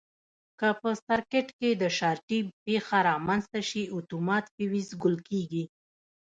که په سرکټ کې د شارټي پېښه رامنځته شي اتومات فیوز ګل کېږي.